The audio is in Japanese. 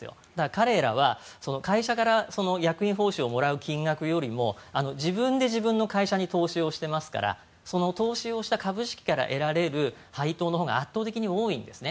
彼らは会社から役員報酬をもらう金額よりも自分で自分の会社に投資をしていますからその投資をした株式から得られる配当のほうが圧倒的に多いんですね。